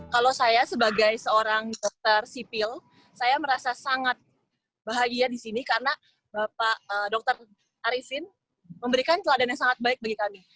kalau saya sebagai seorang dokter sipil saya merasa sangat bahagia di sini karena bapak dr arisin memberikan teladan yang sangat baik bagi kami